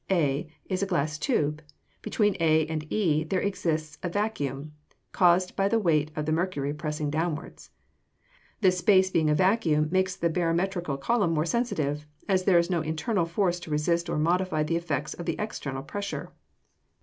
A is a glass tube; between A and E there exists a vacuum, caused by the weight of the mercury pressing downwards. This space being a vacuum, makes the barometrical column more sensitive, as there is no internal force to resist or modify the effects of the external pressure.